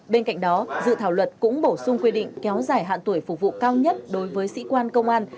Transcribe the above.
bên cạnh đó dự thảo luật cũng bổ sung quy định kéo dài hạn tuổi phục vụ cao nhất đối với sĩ quan công an